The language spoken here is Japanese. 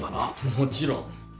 もちろん。